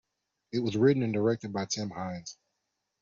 It was written and directed by Tim Haines.